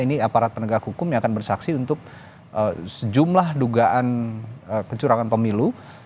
ini aparat penegak hukum yang akan bersaksi untuk sejumlah dugaan kecurangan pemilu